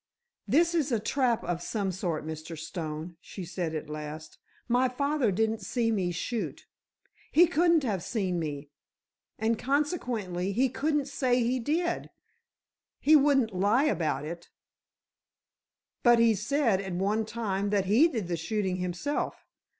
"This is a trap of some sort, Mr. Stone," she said at last. "My father didn't see me shoot—he couldn't have seen me, and consequently he couldn't say he did! He wouldn't lie about it!" "But he said, at one time, that he did the shooting himself.